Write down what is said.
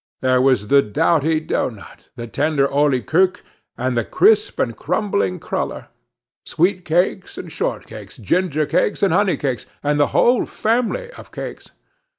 There was the doughty doughnut, the tender oly koek, and the crisp and crumbling cruller; sweet cakes and short cakes, ginger cakes and honey cakes, and the whole family of cakes.